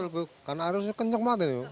betul karena alirnya kenceng banget ini